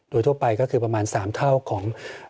โดยทั่วไปก็คือประมาณ๓เท่าของ